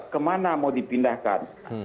kemana mau dipindahkan